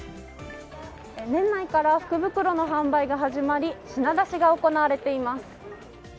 年内から福袋の販売が始まり、品出しが行われています。